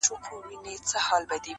د خپل وجود پرهرولو کي اتل زه یم,